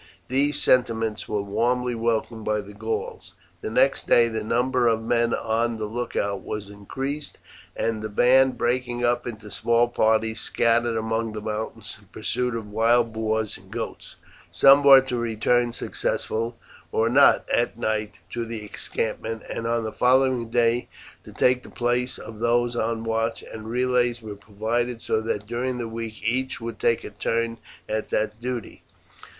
These sentiments were warmly welcomed by the Gauls. The next day the number of men on the lookout was increased, and the band, breaking up into small parties, scattered among the mountains in pursuit of wild boars and goats. Some were to return, successful or not, at night to the encampment, and on the following day to take the place of those on watch, and relays were provided so that during the week each would take a turn at that duty.